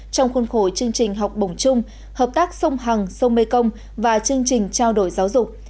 trong khuôn khổ chương trình học bổng chung hợp tác sông hằng sông mekong và chương trình trao đổi giáo dục